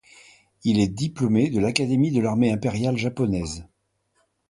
Il est diplômé de la de l'académie de l'armée impériale japonaise.